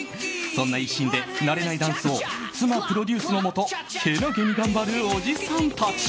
そんな一心で、慣れないダンスを妻プロデュースのもとけなげに頑張るおじさんたち。